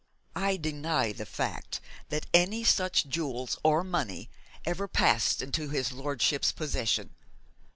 'I deny the fact that any such jewels or money ever passed into his lordship's possession.